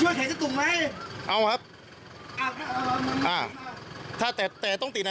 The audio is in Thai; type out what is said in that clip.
ช่วยแขนจะตุ่มไหมเอาครับอ่าอ่าอ่าแต่แต่ต้องติดนะ